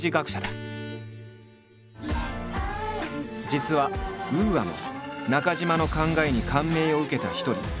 実はＵＡも中島の考えに感銘を受けた一人。